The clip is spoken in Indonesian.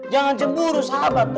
jangan jemuru sahabat